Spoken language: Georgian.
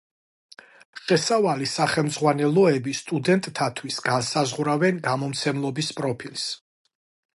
შესავალი სახელმძღვანელოები სტუდენტთათვის განსაზღვრავენ გამომცემლობის პროფილს.